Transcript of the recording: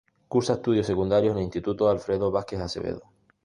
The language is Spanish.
Cursa estudios secundarios en el Instituto Alfredo Vásquez Acevedo.